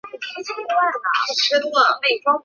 该名言在本片的片头再次重申。